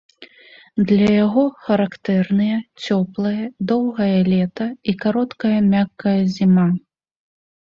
Для яго характэрныя цёплае доўгае лета і кароткая мяккая зіма.